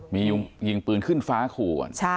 มียิงปืนขึ้นฟ้าขู่